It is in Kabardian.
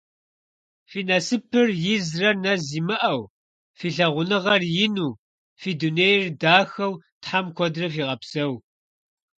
Фи насыпыр изрэ нэз имыӏэу, фи лъагъуныгъэр ину, фи дунейр дахэу Тхьэм куэдрэ фигъэпсэу!